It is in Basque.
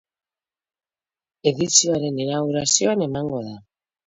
Edizioaren inaugurazioan emango da.